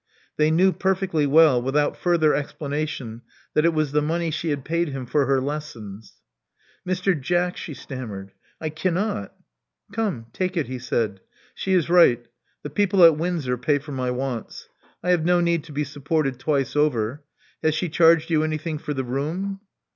They knew perfectly well, without further explanation, that it was the money she had paid him for her lessons. *'Mr. Jack," she stammered: I cannot.*' *'Come, take it, he said. She is right: the people at Windsor pay for my wants. I have no need to be supported twice over. Has she charged you anything for the room?